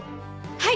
はい！